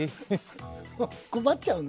困っちゃう。